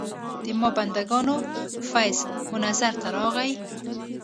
د ما بندګانو فیض منظر ته راغی.